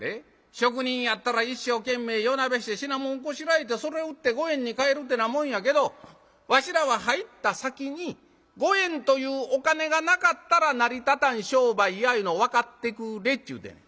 職人やったら一生懸命夜なべして品物こしらえてそれを売って五円に換えるてなもんやけどわしらは入った先に五円というお金がなかったら成り立たん商売やいうの分かってくれっちゅうてんねん。